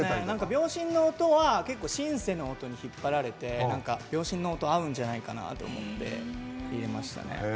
秒針の音は結構シンセの音に引っ張られて秒針の音合うんじゃないかなと思って入れましたね。